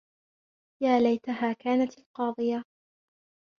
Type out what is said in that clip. يا ليتها كانت القاضية